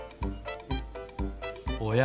おや？